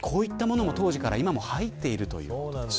当時から今も入っているという。